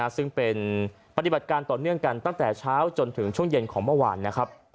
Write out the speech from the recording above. ซึ่งเป็นปฏิบัติการต่อเนื่องกันตั้งแต่เช้าจนถึงช่วงเย็นของเมื่อวานนะครับ